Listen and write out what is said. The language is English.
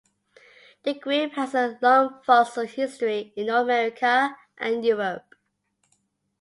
The group has a long fossil history in North America and Europe.